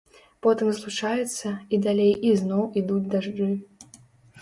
Потым злучаецца, і далей ізноў ідуць дажджы.